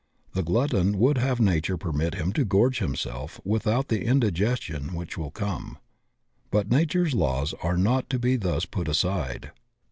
The glutton would have Nature permit him to gorge himseU without the indi^ gestion which will come, but Nature's laws are not to be thus put aside.